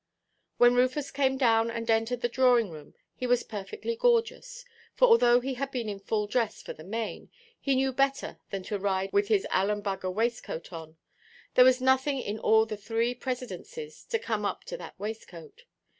When Rufus came down and entered the drawing–room, he was perfectly gorgeous; for although he had been in full dress for the main, he knew better than to ride with his Alumbaggah waistcoat on. There was nothing in all the three presidencies to come up to that waistcoat.